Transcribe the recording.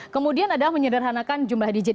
kemudian adalah menyederhanakan jumlah digit